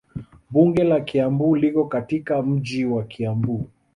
Bunge la Kiambu liko katika mji wa Kiambu.